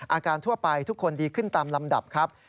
ทั่วไปทุกคนดีขึ้นตามลำดับครับ